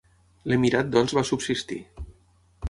L'emirat doncs va subsistir.